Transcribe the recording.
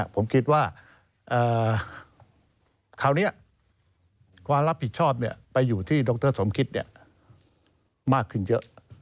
ผมคิดว่าคราวนี้ความรับผิดชอบไปอยู่ที่ดรสมคิดมากขึ้นเยอะ